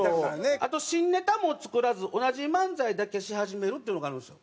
「あと新ネタも作らず同じ漫才だけし始める」っていうのがあるんですよ。